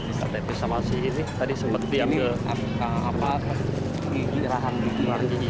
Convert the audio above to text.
ketepis sama si ini tadi sempat diam ke